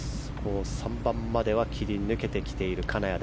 ３番までは切り抜けている金谷。